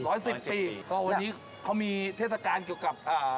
๑๑๐ปีเพราะวันนี้เขามีเทศกาลเกี่ยวกับ